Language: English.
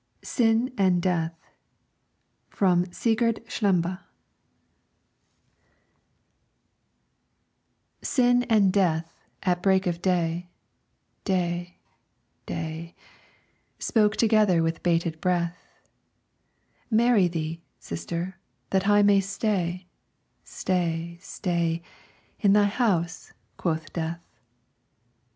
SIN AND DEATH From 'Sigurd Slembe' Sin and Death, at break of day, Day, day, Spoke together with bated breath; Marry thee, sister, that I may stay, Stay, stay, In thy house, quoth Death.